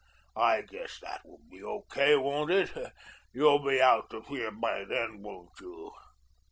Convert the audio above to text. I guess that will be O. K., won't it? You'll be out of here by then, won't you?"